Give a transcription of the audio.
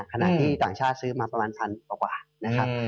ขณะที่ต่างชาติซื้อมาประมาณพันกว่านะครับ